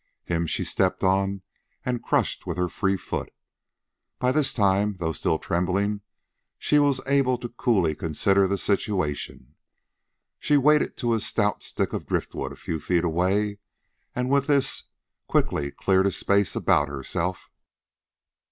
Him she stepped on and crushed with her free foot. By this time, though still trembling, she was able coolly to consider the situation. She waded to a stout stick of driftwood a few feet away, and with this quickly cleared a space about herself.